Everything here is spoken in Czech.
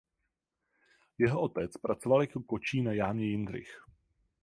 Jeho otec pracoval jako kočí na jámě Jindřich.